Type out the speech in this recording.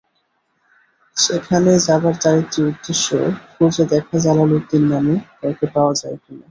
সেখানে যাবার তাঁর একটি উদ্দেশ্য, খুঁজে দেখা-জালালউদ্দিন নামে কাউকে পাওয়া যায় কি না।